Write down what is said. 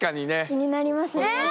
気になりますね。